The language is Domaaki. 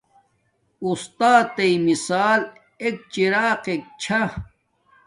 استاتݵ مثال ایک چراغ کے چھا